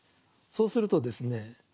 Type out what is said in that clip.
そうするとですね